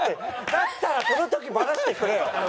だったらその時バラしてくれよ！